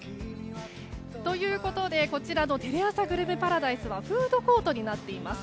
こちらの「テレアサグルメパラダイス」はフードコートになっています。